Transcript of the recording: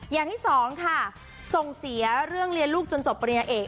อย่างที่สองค่ะส่งเสียเรื่องเรียนลูกจนจบปริญญาเอก